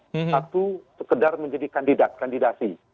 satu sekedar menjadi kandidat kandidasi